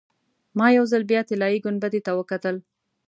ما یو ځل بیا طلایي ګنبدې ته وکتل.